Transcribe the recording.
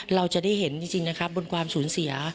เราจะได้เห็นจริงนะครับบนความสูญเสีย